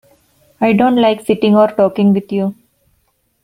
I don't like sitting or talking with you.